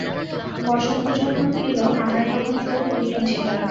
বসন্ত যখন এলো, আমরা তখন শুধু দুজন ছিলাম।